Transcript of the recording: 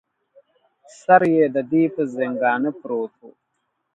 سر یې د دې پر زنګانه پروت و.